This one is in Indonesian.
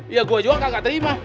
iya gua juga kak gak terima